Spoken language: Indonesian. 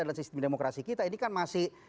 dan sistem demokrasi kita ini kan masih